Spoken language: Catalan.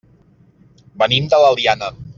Venim de l'Eliana.